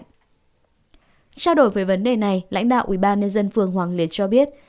trao đổi về vấn đề này lãnh đạo ubnd phường hoàng liệt cho biết